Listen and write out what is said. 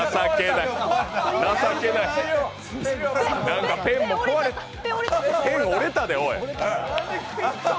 なんかペン折れたで、おい。